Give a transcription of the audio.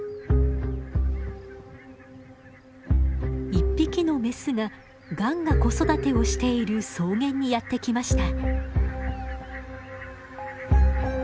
１匹のメスがガンが子育てをしている草原にやって来ました。